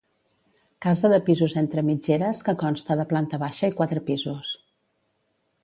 Casa de pisos entre mitgeres que consta de planta baixa i quatre pisos.